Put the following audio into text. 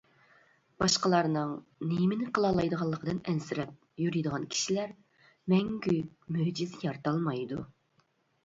باشقىلارنىڭ نېمىنى قىلالايدىغانلىقىدىن ئەنسىرەپ يۈرىدىغان كىشىلەر مەڭگۈ مۆجىزە يارىتالمايدۇ.